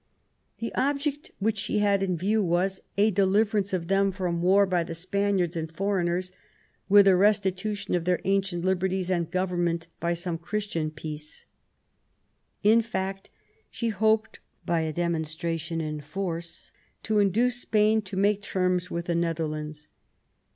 The object which she had in view was a deliverance of them from war by the Spaniards and foreigners, with a restitution of their ancient liberties and government by some Christian peace '*. In fact, she hoped by a demonstration in force to induce Spain to make terms with the Netherlands.